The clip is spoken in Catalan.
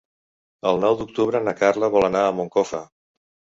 El nou d'octubre na Carla vol anar a Moncofa.